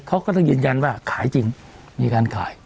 เขาก็ต้องยืนยันว่าขายจริงมีการขาย